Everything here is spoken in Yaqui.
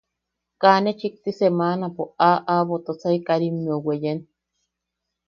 Kaa ne chikti semanapo aa aʼabo Tosai Karimmeu weyen.